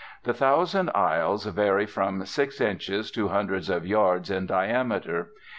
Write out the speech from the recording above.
The Thousand Isles vary from six inches to hundreds of yards in diameter.